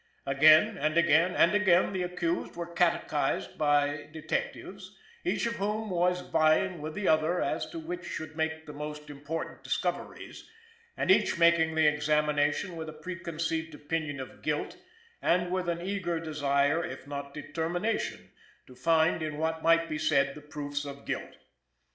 Again, and again, and again the accused was catechised by detectives, each of whom was vieing with the other as to which should make the most important discoveries, and each making the examination with a preconceived opinion of guilt, and with an eager desire, if not determination, to find in what might be said the proofs of guilt.